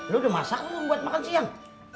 lu udah masak atau buat makan siang